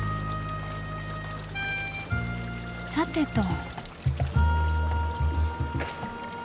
さてと。